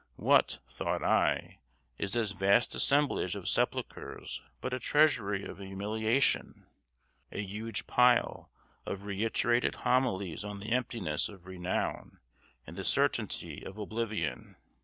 What, thought I, is this vast assemblage of sepulchres but a treasury of humiliation a huge pile of reiterated homilies on the emptiness of renown and the certainty of oblivion?